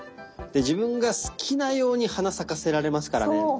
で自分が好きなように花咲かせられますからね。